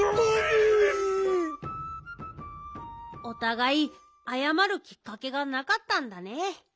おたがいあやまるきっかけがなかったんだね。